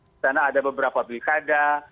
di sana ada beberapa pilkada